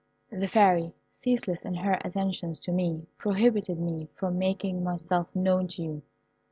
The Fairy, ceaseless in her attentions to me, prohibited me from making myself known to you.